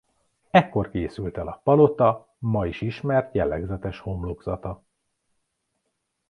Ekkor készült el a palota ma is ismert jellegzetes homlokzata.